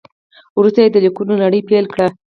وروسته یې د لیکونو لړۍ پیل کړه.